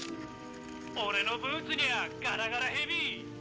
「俺のブーツにゃガラガラヘビ」